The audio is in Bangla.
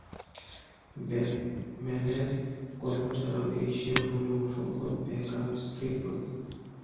ব্যাটম্যানের গল্প ছাড়াও, এই শিরোনামে অসংখ্য ব্যাক-আপ স্ট্রিপ রয়েছে।